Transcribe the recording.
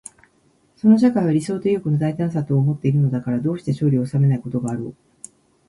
その社会は理想と意欲の大胆さとをもっているのだから、どうして勝利を収めないことがあろう。